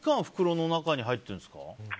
袋の中に入っているんですか？